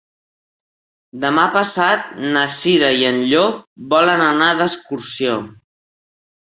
Demà passat na Cira i en Llop volen anar d'excursió.